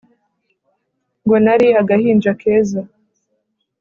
ngo nari agahinja keza